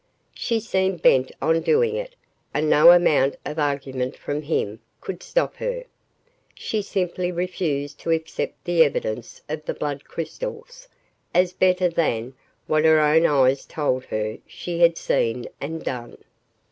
She seemed bent on doing it and no amount of argument from him could stop her. She simply refused to accept the evidence of the blood crystals as better than what her own eyes told her she had seen and done.